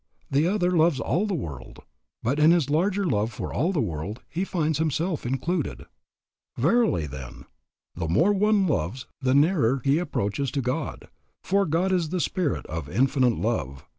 The other loves all the world; but in his larger love for all the world he finds himself included. Verily, then, the more one loves the nearer he approaches to God, for God is the spirit of infinite love.